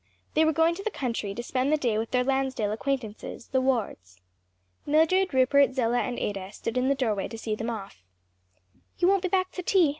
They were going to the country, to spend the day with their Lansdale acquaintances, the Wards. Mildred, Rupert, Zillah and Ada stood in the doorway to see them off. "You won't be back to tea?"